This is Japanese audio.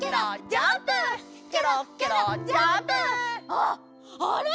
あっあれ？